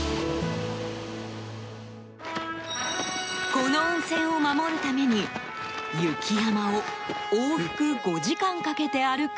この温泉を守るために雪山を往復５時間かけて歩く